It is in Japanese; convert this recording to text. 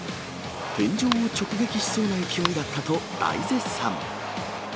天井を直撃しそうな勢いだったと大絶賛。